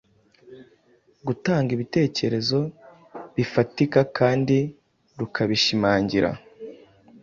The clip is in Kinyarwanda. gutanga ibitekerezo bifatika kandi rukabishimangira